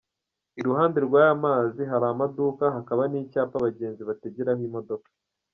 Iruhande rw’aya mazi hari amaduka, hakaba n’icyapa abagenzi bategeraho imodoka.